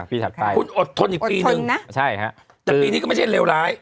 ถัดไปคุณอดทนอีกปีนึงนะใช่ฮะแต่ปีนี้ก็ไม่ใช่เลวร้าย